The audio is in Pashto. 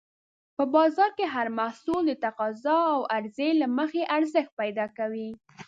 په بازار کې هر محصول د تقاضا او عرضې له مخې ارزښت پیدا کوي.